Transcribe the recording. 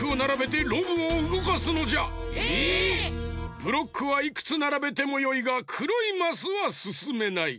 ブロックはいくつならべてもよいがくろいマスはすすめない。